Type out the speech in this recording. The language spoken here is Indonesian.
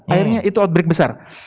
akhirnya itu outbreak besar